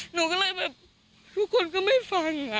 หนูก็เลยแบบทุกคนก็ไม่ฟัง